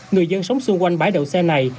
người dân sống xung quanh bãi đậu xe này